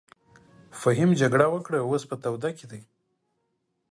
فهيم جګړه وکړه اوس په تاوده کښی دې.